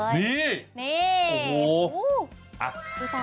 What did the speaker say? นี่เลย